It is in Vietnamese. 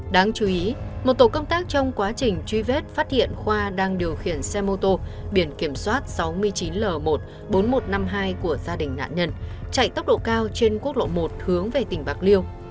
đáng chú ý một tổ công tác trong quá trình truy vết phát hiện khoa đang điều khiển xe mô tô biển kiểm soát sáu mươi chín l một bốn nghìn một trăm năm mươi hai của gia đình nạn nhân chạy tốc độ cao trên quốc lộ một hướng về tỉnh bạc liêu